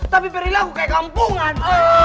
tapi peri lagu kayak kampungan